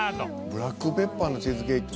ブラックペッパーのチーズケーキ？